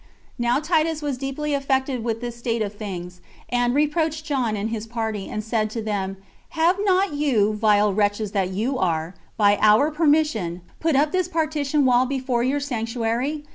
Now Titus was deeply affected with this state of things, and reproached John and his party, and said to them, "Have not you, vile wretches that you are, by our permission, put up this partition wall before your sanctuary?